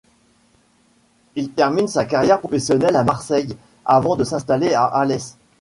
Il termine sa carrière professionnelle à Marseille, avant de s'installer à Alès.